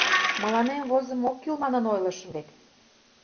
Мыланем возымо ок кӱл, манын ойлышым вет.